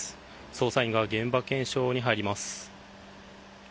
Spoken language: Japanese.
捜査員が現場検証に入ります。